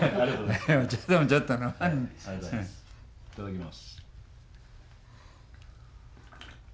いただきます。